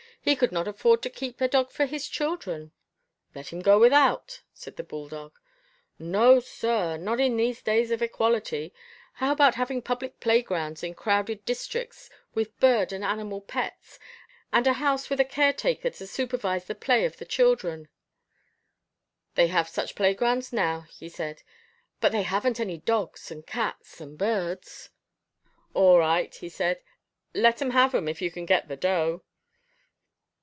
"He could not afford to keep a dog for his children." "Let him go without," said the bulldog. "No, sir, not in these days of equality. How about having public playgrounds in crowded districts, with bird and animal pets, and a house with a caretaker to supervise the play of the children." "They have such playgrounds now," he said. "But, they haven't any dogs, and cats and birds." "All right," he said, "let 'em have 'em, if you can get the dough."